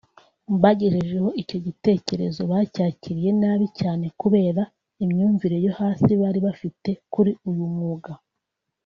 Mbagejejeho icyo gitekerezo bacyakiriye nabi cyane kubera imyumvire yo hasi bari bafite kuri uyu mwuga